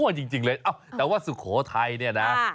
จริงเลยแต่ว่าสุโขทัยเนี่ยนะ